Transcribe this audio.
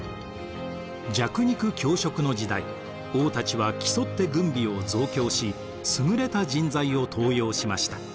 弱肉強食の時代王たちは競って軍備を増強し優れた人材を登用しました。